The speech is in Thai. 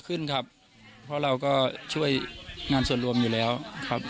ขึ้นครับเพราะเราก็ช่วยงานส่วนรวมอยู่แล้วครับ